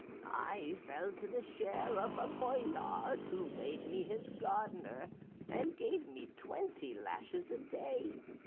I fell to the share of a Boyard who made me his gardener, and gave me twenty lashes a day.